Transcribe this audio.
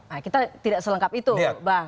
nah kita tidak selengkap itu bang